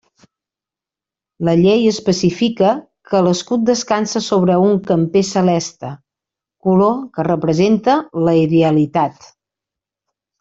La llei especifica que l'escut descansa sobre un camper celeste, color que representa la idealitat.